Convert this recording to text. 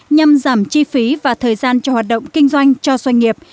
nhằm giảm chi phí và thời gian cho hoạt động kinh doanh cho doanh nghiệp